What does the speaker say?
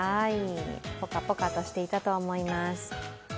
ポカポカしていたと思います。